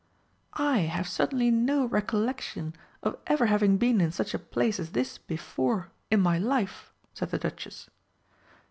"I have certainly no recollection of ever having been in such a place as this before in my life," said the Duchess.